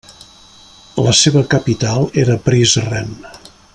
La seva capital era Prizren.